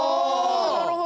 なるほど。